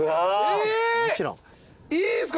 いいんすか？